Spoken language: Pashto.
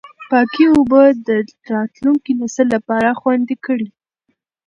پاکې اوبه د راتلونکي نسل لپاره خوندي کړئ.